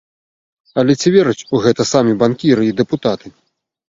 Але ці вераць у гэта самі банкіры і дэпутаты?